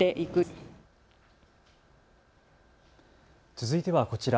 続いてはこちら。